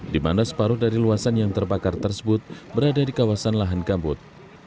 di mana separuh dari luasan yang terbakar tersebut berada di kawasan lahan gambut